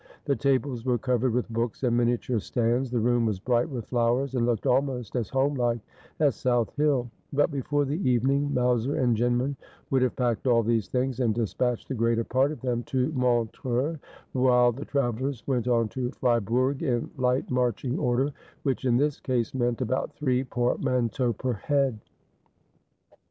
The tables were covered with books and miniature stands ; the room was bright with flowers, and looked almost as homelike as South Hill ; but before the evening Mowser and Jinman would have packed all these things, and despatched the greater part of them to Montreux, while the travellers went on to Fribourg in light marching order, which in this case meant about three portman teaux per head.